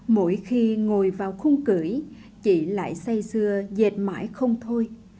mỗi khi ngồi vào khung cửi chị lại xây dưa dệt mãi không thôi